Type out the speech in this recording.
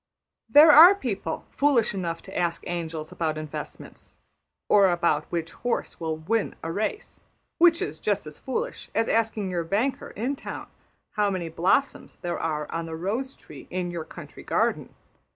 There are people foolish enough to ask angels about investments, or about which horse will win a race; which is just as foolish as asking your banker in town how many blossoms there are on the rose tree in your country garden.